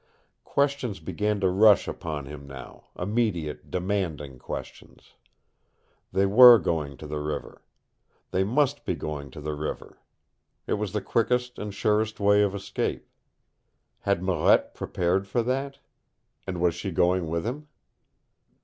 Questions began to rush upon him now, immediate demanding questions. They were going to the river. They must be going to the river. It was the quickest and surest way of escape. Had Marette prepared for that? And was she going with him?